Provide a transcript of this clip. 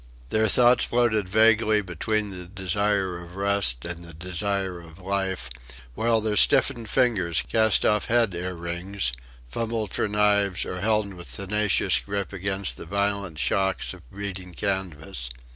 Their thoughts floated vaguely between the desire of rest and the desire of life, while their stiffened fingers cast off head earrings, fumbled for knives, or held with tenacious grip against the violent shocks of beating canvas.